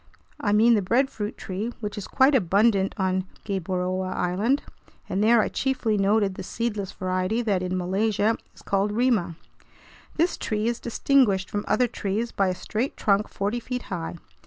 I mean the breadfruit tree, which is quite abundant on Gueboroa Island, and there I chiefly noted the seedless variety that in Malaysia is called "rima." This tree is distinguished from other trees by a straight trunk forty feet high.